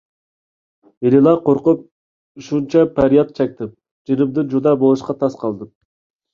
ھېلىلا قورقۇپ شۇنچە پەرياد چەكتىم، جېنىمدىن جۇدا بولۇشقا تاس قالدىم.